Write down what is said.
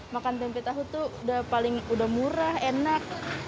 makan tempe tahu tuh udah paling udah murah enak